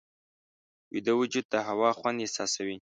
ویده وجود د هوا خوند احساسوي